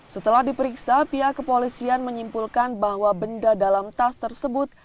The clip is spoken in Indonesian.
setelah diperiksa pihak kepolisian menyimpulkan bahwa benda dalam tas tersebut